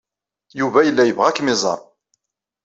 Yuba yella yebɣa ad kem-iẓer.